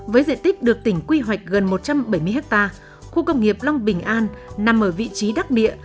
với diện tích được tỉnh quy hoạch gần một trăm bảy mươi ha khu công nghiệp long bình an nằm ở vị trí đắc địa